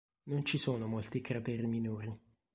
Non ci sono molti crateri minori.